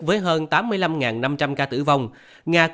với hơn tám mươi năm năm trăm linh ca tử vong